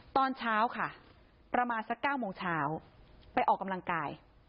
ตอนเช้าค่ะประมาณสัก๙โมงเช้าไปออกกำลังกาย